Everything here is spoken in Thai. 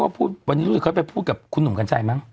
วันนี้ไม่รู้จะเขาไปพูดกับคุณหนูคัณสัย